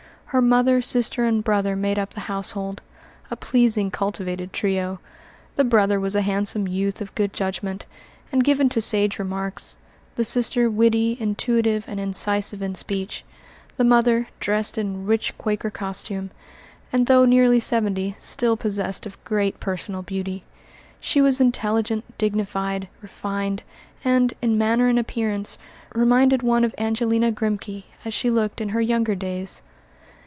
Her mother, sister, and brother made up the household a pleasing, cultivated trio. The brother was a handsome youth of good judgment, and given to sage remarks; the sister, witty, intuitive, and incisive in speech; the mother, dressed in rich Quaker costume, and though nearly seventy, still possessed of great personal beauty. She was intelligent, dignified, refined, and, in manner and appearance, reminded one of Angelina Grimké as she looked in her younger days.